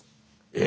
え！